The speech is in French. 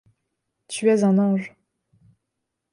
Tu es un ange.